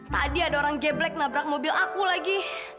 tadi ada orang geblek nabrak mobil aku lagi